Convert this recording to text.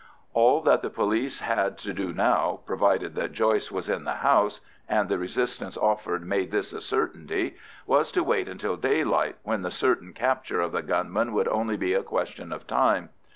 All that the police had to do now, provided that Joyce was in the house—and the resistance offered made this a certainty—was to wait until daylight, when the certain capture of the gunmen would only be a question of time.